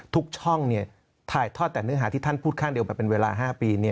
ทุกช่องถ่ายทอดแต่เนื้อหาที่ท่านพูดข้างเดียวมาเป็นเวลา๕ปี